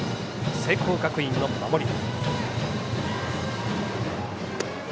聖光学院の守り。